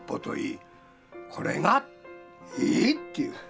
「これが？ええ？」っていう。